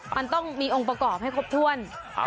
มันต้องมีองค์ประกอบให้ครบถ้วน